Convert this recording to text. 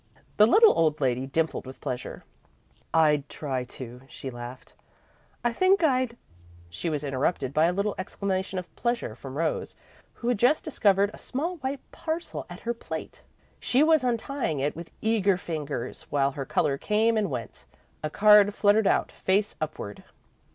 The little old lady dimpled with pleasure. "I'd try to," she laughed. "I think I'd " She was interrupted by a little exclamation of pleasure from Rose, who had just discovered a small white parcel at her plate. She was untying it with eager fingers, while her colour came and went. A card fluttered out, face upward.